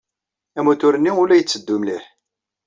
Amutur-nni ur la itteddu mliḥ.